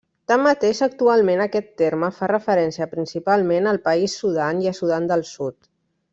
Tanmateix actualment aquest terme fa referència principalment al país Sudan i a Sudan del Sud.